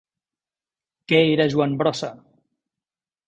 Què era Joan Brossa?